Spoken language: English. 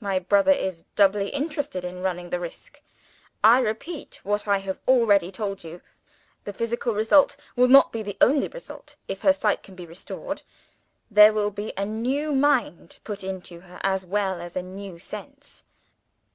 "My brother is doubly interested in running the risk. I repeat what I have already told you. The physical result will not be the only result, if her sight can be restored. There will be a new mind put into her as well as a new sense.